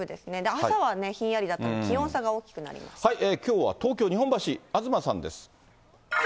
朝はひんやりだったので、気温差きょうは東京・日本橋、東さんです。